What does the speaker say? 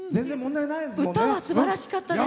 歌は、すばらしかったです。